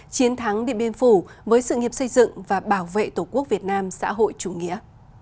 chiến thắng điện biên phủ với sự nghiệp xây dựng và bảo vệ tổ quốc việt nam xã hội chủ nghĩa